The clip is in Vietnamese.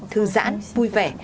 thư giãn vui vẻ